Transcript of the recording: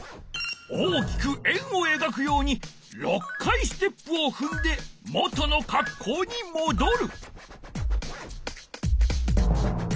大きく円をえがくように６回ステップをふんで元のかっこうにもどる。